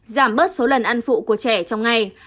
giảm bớt số lần ăn phụ của trẻ trong ngày